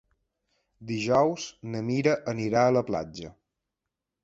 Dijous na Mira anirà a la platja.